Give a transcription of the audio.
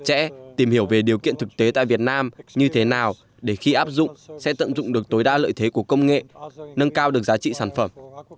chặt chẽ tìm hiểu về điều kiện thực tế tại việt nam như thế nào để khi áp dụng sẽ tận dụng được tối đa lợi thế của công nghệ nâng cao được giá trị sản phẩm